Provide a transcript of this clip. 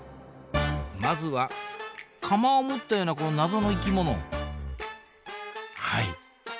まずは鎌を持ったようなこの謎の生き物はい。